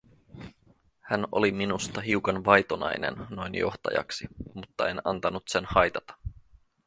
Hän oli minusta hiukan vaitonainen noin johtajaksi, mutta en antanut sen haitata.